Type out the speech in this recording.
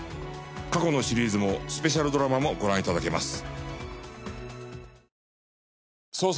過去のシリーズもスペシャルドラマもご覧頂けます。